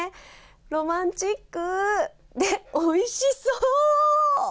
ロマンチック、で、おいしそう！